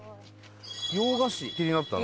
洋菓子気になったな。